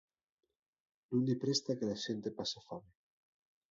Nun-y presta que la xente pase fame.